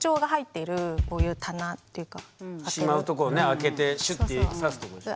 しまうとこね開けてシュって差すとこでしょ。